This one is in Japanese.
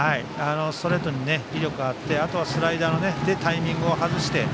ストレートに威力があってあとはスライダーでタイミングを外して。